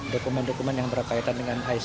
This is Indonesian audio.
dokumen dokumen yang berkaitan dengan hisap